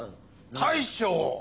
大将。